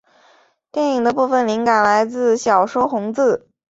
电影的部份灵感是来自小说红字。